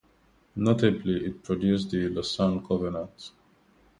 Notably, it produced the Lausanne Covenant.